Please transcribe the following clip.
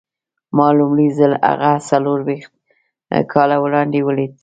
ما لومړی ځل هغه څلور ويشت کاله وړاندې وليد.